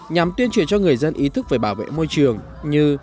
nhằm tuyên truyền cho người dân ý thức về bảo vệ môi trường như